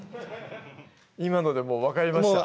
今のでもう分かりました？